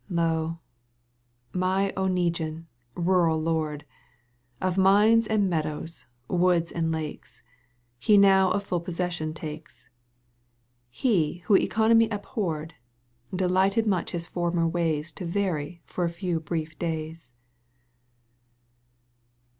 Lo ! my Oneguine rural lord ! Of mines and meadows, woods and lakes. He now a full possession takes. He who economy abhorred. Delighted much his former ways To vary for a few brief days.